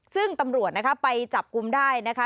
ซึ่งตำรวจนะคะไปจับกลุ่มได้นะคะ